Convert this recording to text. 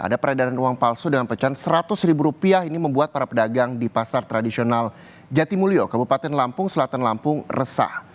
ada peredaran uang palsu dengan pecahan seratus ribu rupiah ini membuat para pedagang di pasar tradisional jatimulyo kabupaten lampung selatan lampung resah